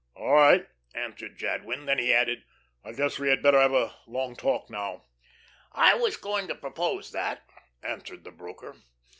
"All right," answered Jadwin, then he added, "I guess we had better have a long talk now." "I was going to propose that," answered the broker.